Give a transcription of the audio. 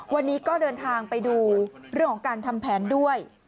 วันนี้ก็เดินทางไปดูเรื่องของการทำแผนด้วย